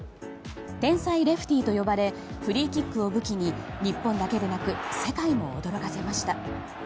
天才レフティーと呼ばれフリーキックを武器に日本だけでなく世界も驚かせました。